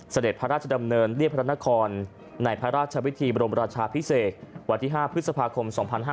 เสด็จพระราชดำเนินเรียบพระนครในพระราชวิธีบรมราชาพิเศษวันที่๕พฤษภาคม๒๕๕๙